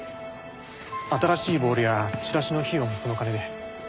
新しいボールやチラシの費用もその金で。